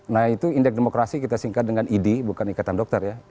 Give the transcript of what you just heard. nah itu indeks demokrasi kita singkat dengan idi bukan ikatan dokter ya